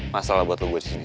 masalah buat lo gue di sini